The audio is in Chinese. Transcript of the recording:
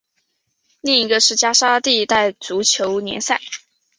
另一个是加沙地带足球联赛。